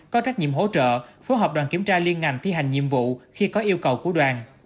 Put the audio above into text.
có trách nhiệm hỗ trợ phối hợp đoàn kiểm tra liên ngành thi hành nhiệm vụ khi có yêu cầu của đoàn